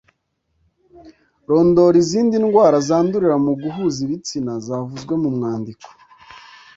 Rondora izindi ndwara zandurira mu guhuza ibitsina zavuzwe mu mwandiko.